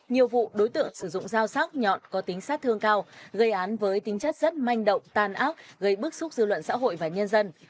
nhiều vụ đối tượng sử dụng dao sắc nhọn có tính sát thương cao gây án với tính chất rất manh động tan ác gây bức xúc dư luận xã hội và nhân dân